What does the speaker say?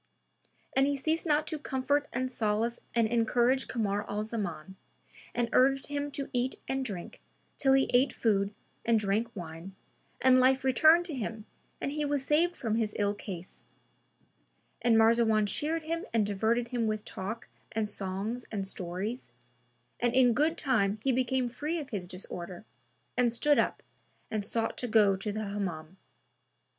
And he ceased not to comfort and solace and encourage Kamar al Zaman and urged him to eat and drink till he ate food and drank wine, and life returned to him and he was saved from his ill case; and Marzawan cheered him and diverted him with talk and songs and stories, and in good time he became free of his disorder and stood up and sought to go to the Hammam.